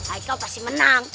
aikal pasti menang